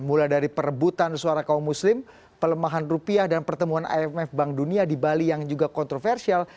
mulai dari perebutan suara kaum muslim pelemahan rupiah dan pertemuan imf bank dunia di bali yang juga kontroversial